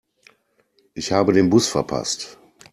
Ich habe den Bus verpasst.